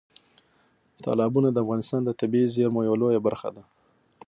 تالابونه د افغانستان د طبیعي زیرمو یوه لویه برخه ده.